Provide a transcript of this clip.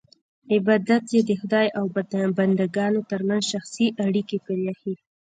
عبادت یې د خدای او بندګانو ترمنځ شخصي اړیکه پرېښی.